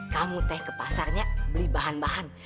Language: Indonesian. kamu teh ke pasarnya beli bahan bahan